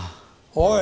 おい！